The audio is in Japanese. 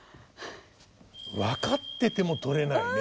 分かってても取れないね。